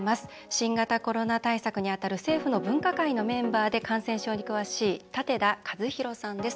新型コロナ対策にあたる政府の分科会のメンバーで感染症に詳しい舘田一博さんです。